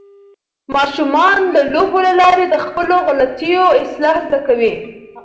ماشومان د لوبو له لارې د خپلو غلطیو اصلاح زده کوي.